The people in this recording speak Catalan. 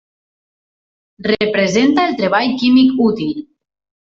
Representa el treball químic útil.